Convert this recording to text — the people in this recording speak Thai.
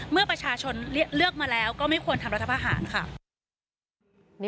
เมื่อประชาชนเลือกมาแล้วก็ไม่ควรทำรัฐประหารค่ะ